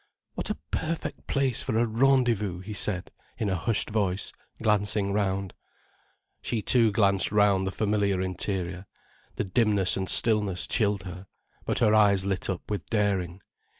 "What a perfect place for a rendezvous," he said, in a hushed voice, glancing round. She too glanced round the familiar interior. The dimness and stillness chilled her. But her eyes lit up with daring.